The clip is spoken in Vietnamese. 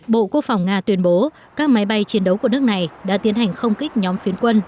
bộ quốc phòng nga tuyên bố các máy bay chiến đấu của nước này đã tiến hành không kích nhóm phiến quân